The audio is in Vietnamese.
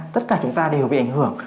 tất cả chúng ta đều bị ảnh hưởng